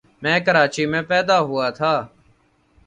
میں کراچی میں پیدا ہوا تھا۔